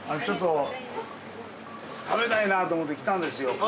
ちょっと食べたいなと思って来たんですよ。